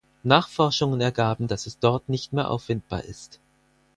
Nachforschungen ergaben, dass es dort nicht mehr auffindbar ist.